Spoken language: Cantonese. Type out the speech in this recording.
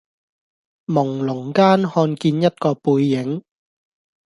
濛朧間看見一個背影